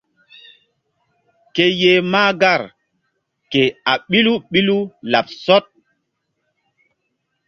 Ke yeh mahgar ke a ɓilu ɓilu laɓ sɔɗ.